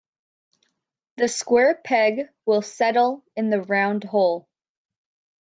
The square peg will settle in the round hole.